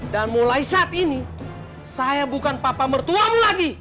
dan mulai saat ini saya bukan papa mertuamu lagi